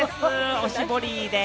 おしぼりです。